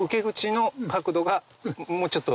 もうちょっと。